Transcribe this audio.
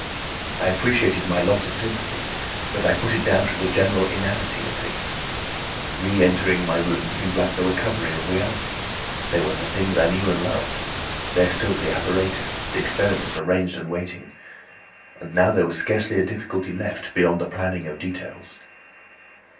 I appreciated my loss of sympathy, but I put it down to the general inanity of things. Re entering my room seemed like the recovery of reality. There were the things I knew and loved. There stood the apparatus, the experiments arranged and waiting. And now there was scarcely a difficulty left, beyond the planning of details.